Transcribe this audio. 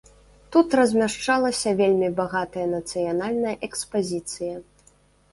Тут размяшчалася вельмі багатая нацыянальная экспазіцыя.